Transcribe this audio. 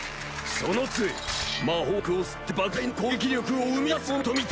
その杖魔法力を吸って莫大な攻撃力を生み出すものと見た。